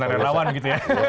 bentar lawan gitu ya